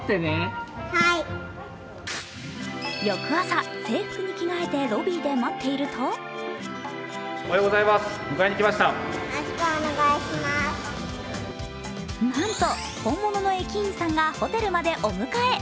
翌朝、制服に着替えてロビーで待っているとなんと本物の駅員さんがホテルまでお迎え。